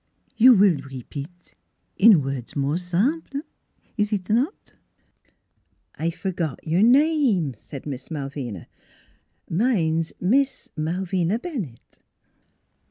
"You will repeat in words more simple is it not?" " I f'rgot your name," said Miss Malvina, " mine's Miss Malvina Bennett."